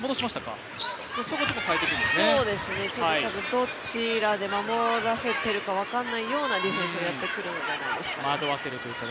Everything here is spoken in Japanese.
どちらで守らせているか分からないようなディフェンスをやってくるんじゃないですかね。